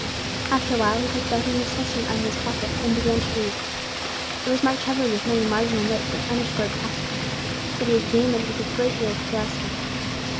After awhile he took Bethany's Testament out of his pocket, and began to read. It was marked heavily with many marginal notes and underscored passages, that he examined with a great deal of curiosity.